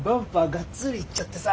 がっつりいっちゃってさ。